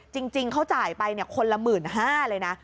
จริงเขาจ่ายไปคนละ๑๕๐๐เลยนะ